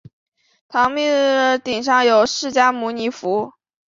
唐密秽迹金刚像上顶有释迦牟尼佛。